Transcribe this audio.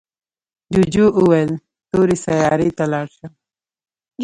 جوجو وویل تورې سیارې ته لاړ شه.